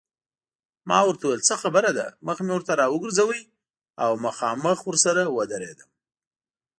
ما ورته وویل څه خبره ده، مخ مې ورته راوګرځاوه او مخامخ ورسره ودرېدم.